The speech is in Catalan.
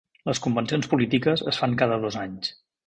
Les convencions polítiques es fan cada dos anys.